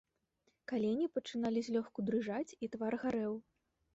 Калені пачыналі злёгку дрыжаць, і твар гарэў.